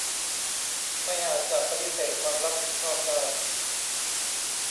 ไม่อาจจะปฏิเสธความรับผิดชอบได้